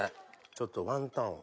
ちょっとワンタンを。